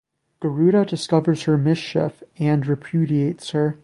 Garuda discovers her mischief and repudiates her.